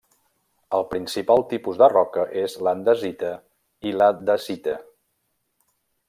El principal tipus de roca és l'andesita i la dacita.